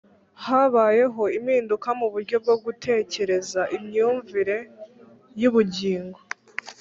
habayeho impinduka mu buryo bwo gutekereza n'imyumvire y'ubugingo,